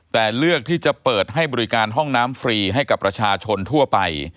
แต่เลือกที่จะเปิดให้บริการห้องน้ำฟรีให้กับประชาชนทั่วไป